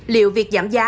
liệu việc giảm giá